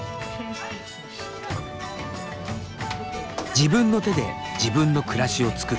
自分の手で自分の暮らしを作る。